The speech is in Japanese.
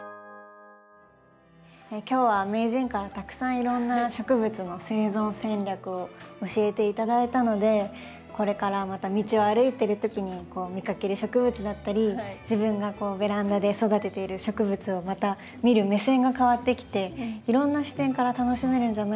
今日は名人からたくさんいろんな植物の生存戦略を教えて頂いたのでこれからまた道を歩いてるときに見かける植物だったり自分がベランダで育てている植物をまた見る目線が変わってきていろんな視点から楽しめるんじゃないかなと思いました。